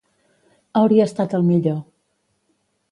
Hauria estat el millor.